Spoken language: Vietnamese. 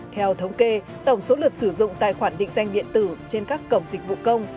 theo thống kê tổng số lượt sử dụng tài khoản định danh điện tử trên các cổng dịch vụ công